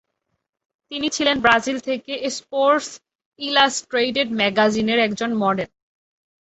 তিনি ছিলেন ব্রাজিল থেকে "স্পোর্টস ইলাস্ট্রেটেড" ম্যাগাজিনের একজন মডেল।